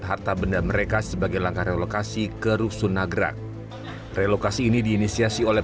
harta benda mereka sebagai langkah relokasi ke rusun nagrak relokasi ini diinisiasi oleh